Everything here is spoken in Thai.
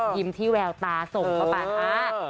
ยิ้มที่แววตาส่งเข้ามาค่ะ